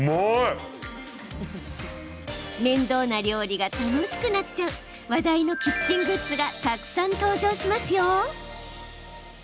面倒な料理が楽しくなっちゃう話題のキッチングッズがたくさん登場しますよ！